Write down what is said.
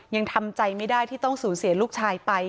ยังทำใจไม่ได้ที่ต้องสูญเสียลูกชายไป